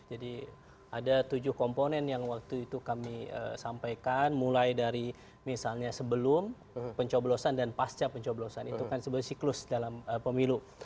jadi ada tujuh komponen yang waktu itu kami sampaikan mulai dari misalnya sebelum pencoblosan dan pasca pencoblosan itu kan sebuah siklus dalam pemilu